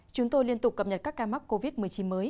chúng tôi liên tục cập nhật các ca mắc covid một mươi chín mới